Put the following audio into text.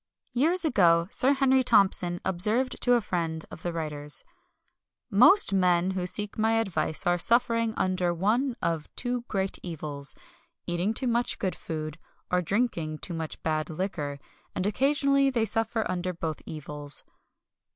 Years ago Sir Henry Thompson observed to a friend of the writer's: "Most men who seek my advice are suffering under one of two great evils eating too much good food, or drinking too much bad liquor; and occasionally they suffer under both evils."